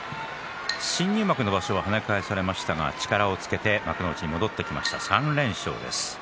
新入幕の場所は跳ね返されましたが、力をつけて幕内に戻ってきました、３連勝です。